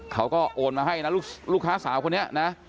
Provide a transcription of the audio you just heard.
เขาก็โอนมาให้นะลูกค้าสาวคนนี้นะ